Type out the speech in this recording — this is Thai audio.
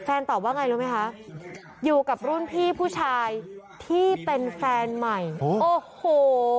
ตอบว่าไงรู้ไหมคะอยู่กับรุ่นพี่ผู้ชายที่เป็นแฟนใหม่โอ้โห